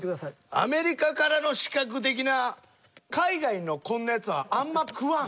アメリカからの刺客的な海外のこんなやつはあんま食わん。